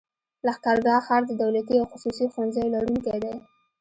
لښکرګاه ښار د دولتي او خصوصي ښوونځيو لرونکی دی.